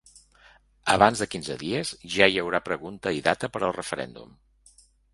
Abans de quinze dies ja hi haurà pregunta i data per al referèndum.